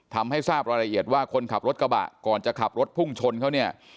ทำให้ทราบรายละเอียดว่าคนขับรถกระบะก่อนจะขับรถพุ่งชนเขาเนี่ย